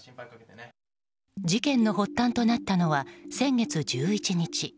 事件の発端となったのは先月１１日。